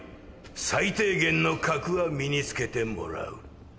最低限の格は身につけてもらう。